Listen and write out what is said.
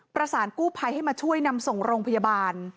ประสานกู้ภัยให้มาช่วยนำส่งโรงพยาบาล